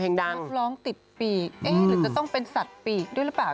นักร้องติดปีกเอ๊ะหรือจะต้องเป็นสัตว์ปีกด้วยหรือเปล่า